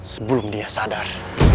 sebelum dia sadar